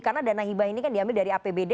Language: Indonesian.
karena dana hibah ini kan diambil dari apbd